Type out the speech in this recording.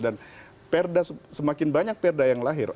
dan semakin banyak perda yang lahir